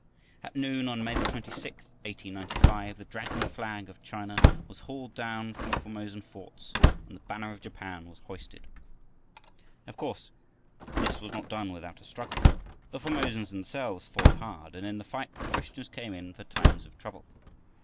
At noon on May 26, 1895, the dragon flag of China was hauled down from Formosan forts and the banner of Japan was hoisted. Of course this was not done without a struggle. The Formosans themselves fought hard, and in the fight the Christians came in for times of trouble.